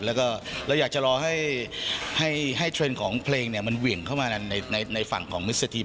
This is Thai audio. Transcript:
แล้วก็เราอยากจะรอให้เทรนด์ของเพลงมันเหวี่ยงเข้ามาในฝั่งของมิสทีน